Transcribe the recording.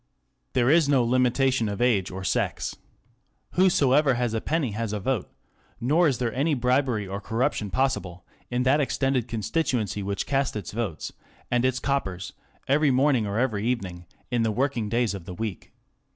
There is no limitation of age or sex. Whosoever has a penny has a vote ; nor is there any bribery or corruption possible in that extended constituency which casts its votes ŌĆö and its coppers ŌĆö every morning^ or every evening in the working days of the week.